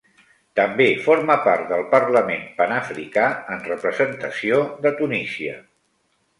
També forma part del Parlament pan-africà en representació de Tunísia.